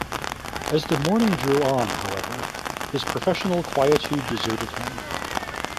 As the morning drew on, however, his professional quietude deserted him.